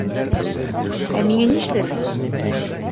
Ә миңә нишләргә?